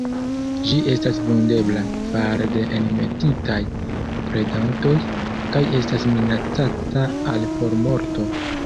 Ĝi estas vundebla fare de enmetitaj predantoj, kaj estas minacata al formorto.